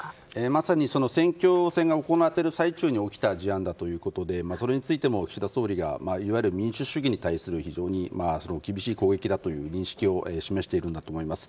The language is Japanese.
まさに選挙戦が行われた最中に起きた事案だということでそれについても岸田総理がいわゆる民主主義に対する非常に厳しい攻撃だという認識を示しているんだと思います。